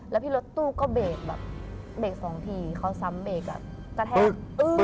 แล้วพี่รถตู้ก็เบรกแบบเบรกสองทีเขาซ้ำเบรกกระแทก